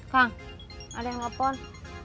kang ada yang ngepon